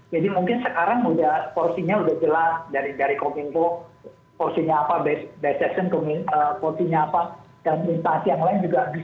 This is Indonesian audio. jadi mungkin sekarang udah porsinya udah jelas dari kominfo porsinya apa bssn porsinya apa dan instansi yang lain juga bisa paling mendukung gitu